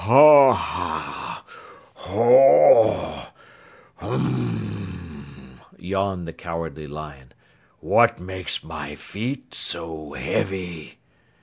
"Hah, hoh, hum!" yawned the Cowardly Lion. "What makes my feet so heavy?"